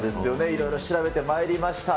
いろいろ調べてまいりました。